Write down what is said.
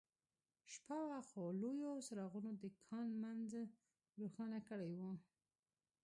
شپه وه خو لویو څراغونو د کان منځ روښانه کړی و